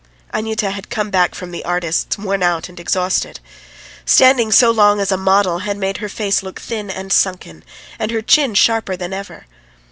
Anyuta had come back from the artist's worn out and exhausted. Standing so long as a model had made her face look thin and sunken, and her chin sharper than ever.